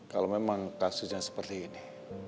kalau memang kasusnya seperti ini